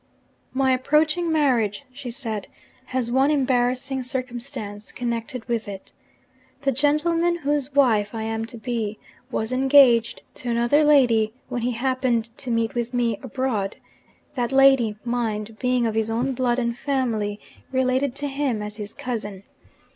'My approaching marriage,' she said, 'has one embarrassing circumstance connected with it. The gentleman whose wife I am to be, was engaged to another lady when he happened to meet with me, abroad: that lady, mind, being of his own blood and family, related to him as his cousin.